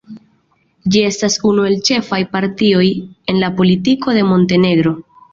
Ĝi estas unu el ĉefaj partioj en la politiko de Montenegro.